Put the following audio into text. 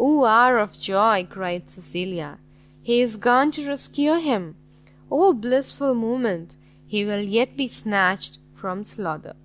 "Oh hour of joy!" cried Cecilia, "he is gone to rescue him! oh blissful moment! he will yet be snatched from slaughter!"